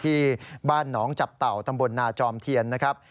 ที่บ้านหนองจับเต่าตำบลนาจอมเทียนนะครับ